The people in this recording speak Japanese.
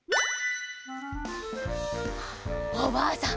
おばあさん